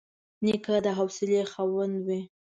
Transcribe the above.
نیکه د حوصلې خاوند وي.